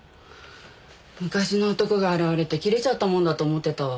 昔の男が現れて切れちゃったもんだと思ってたわ。